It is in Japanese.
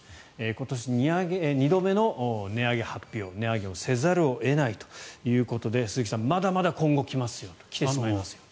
今年２度目の値上げ発表値上げせざるを得ないということで鈴木さん、まだまだ今後来てしまいますよと。